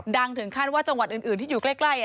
ถึงขั้นว่าจังหวัดอื่นที่อยู่ใกล้